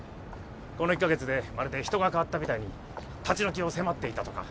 この１カ月でまるで人が変わったみたいに立ち退きを迫っていたとか。